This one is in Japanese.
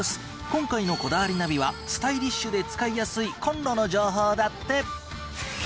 今回の『こだわりナビ』はスタイリッシュで使いやすいコンロの情報だって！